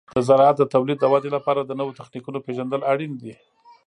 د زراعت د تولید د ودې لپاره د نوو تخنیکونو پیژندل اړین دي.